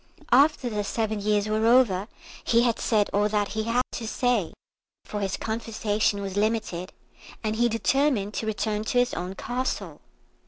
After the seven years were over he had said all that he had to say, for his conversation was limited, and he determined to return to his own castle.